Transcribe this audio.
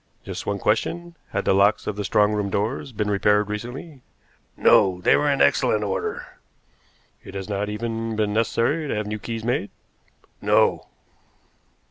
Just one question. Had the locks of the strong room doors been repaired recently?" "No. They were in excellent order." "It has not even been necessary to have new keys made?" "No."